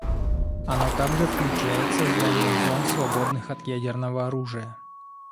Оно также включает создание зон, свободных от ядерного оружия.